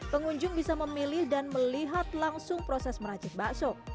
pengunjung bisa memilih dan melihat langsung proses meracik bakso